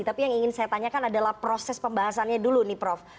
tapi yang ingin saya tanyakan adalah proses pembahasannya dulu nih prof